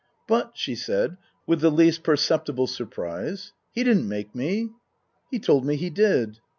" But," she said, with the least perceptible surprise, " he didn't make me." " He told me he did."